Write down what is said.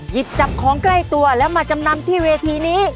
หยิบจับของใกล้ตัวแล้วมาจำนำที่เวทีนี้